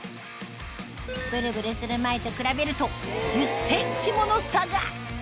ブルブルする前と比べると１０ｃｍもの差が！